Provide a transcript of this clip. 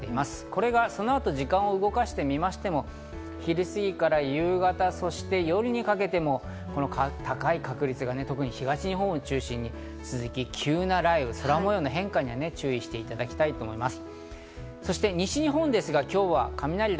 これがその後、時間を動かしてみましても、昼過ぎから夕方、そして夜にかけても高い確率が特に東日本を中心に続いて急な雷雨など、空模様の変化に注意していただきたいと思います。